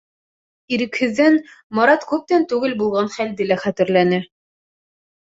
Ирекһеҙҙән Марат күптән түгел булған хәлде лә хәтерләне.